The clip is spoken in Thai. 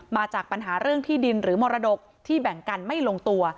มาจากปัญหาเรื่องที่ดินหรือมรดกที่แบ่งกันไม่ลงตัว